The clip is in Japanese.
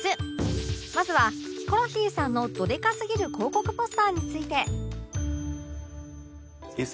まずはヒコロヒーさんのどでかすぎる広告ポスターについて